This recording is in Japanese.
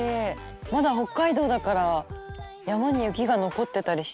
まだ北海道だから山に雪が残ってたりして。